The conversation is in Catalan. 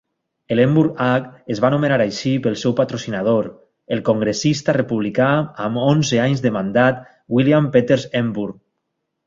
El Hepburn Act es va anomenar així pel seu patrocinador, el congressista republicà amb onze anys de mandat William Peters Hepburn.